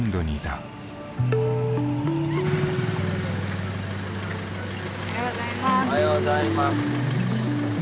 おはようございます。